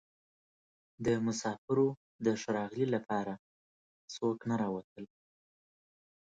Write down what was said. د مسافرو د ښه راغلي لپاره څوک نه راوتل.